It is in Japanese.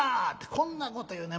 こんなこと言うねん。